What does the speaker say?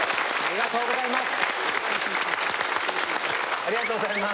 ありがとうございます